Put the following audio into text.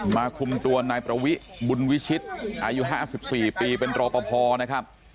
มาคุมตัวนายประวิษฐ์บุญวิชิตอายุห้าสิบสี่ปีเป็นตรนะครับ